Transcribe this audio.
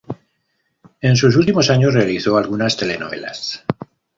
En sus últimos años realizó algunas telenovelas.